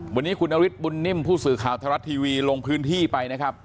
วันนี้คุณนฤทธิบุญนิ่มผู้สื่อข่าวไทยรัฐทีวีลงพื้นที่ไปนะครับ